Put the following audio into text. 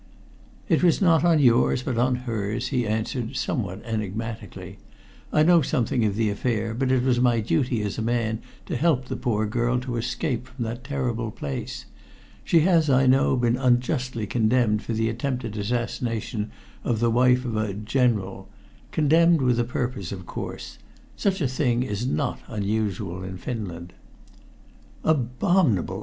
"It was not on yours, but on hers," he answered, somewhat enigmatically. "I know something of the affair, but it was my duty as a man to help the poor girl to escape from that terrible place. She has, I know, been unjustly condemned for the attempted assassination of the wife of a General condemned with a purpose, of course. Such a thing is not unusual in Finland." "Abominable!"